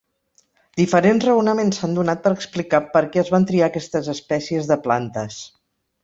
Diferents raonaments s'han donat per explicar per què es van triar aquestes espècies de plantes.